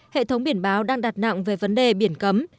hệ thống biển báo đang đặt nặng về vấn đề biển cấm